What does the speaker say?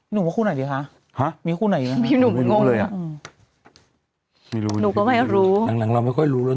หนูว่าคู่ไหนดีคะมีคู่ไหนอีกหนูไม่รู้เลยอ่ะ